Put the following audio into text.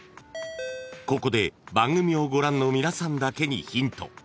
［ここで番組をご覧の皆さんだけにヒント］